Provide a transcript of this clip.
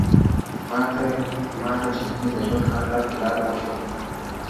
ماته چي هيلې د ژوند هره لار کي لار وښوده;